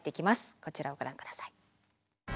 こちらをご覧ください。